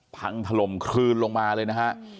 พังถล่มคลืนลงมาเลยนะฮะ